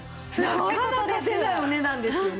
なかなか出ないお値段ですよね！